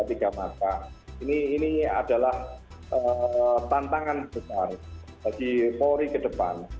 ini adalah tantangan besar bagi polri ke depan